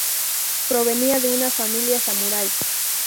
Provenía de una familia samurái.